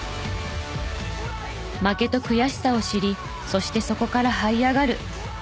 負けと悔しさを知りそしてそこからはい上がる。